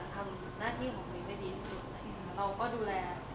ก็ต่างทำหน้าที่ของตัวเอง